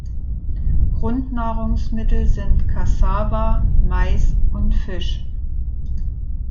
Grundnahrungsmittel sind Kassava, Mais und Fisch.